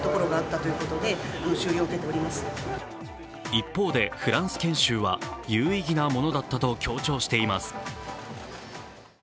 一方でフランス研修は有意義なものだったと強調しています。